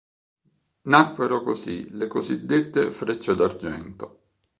Nacquero così le cosiddette "Frecce d'argento".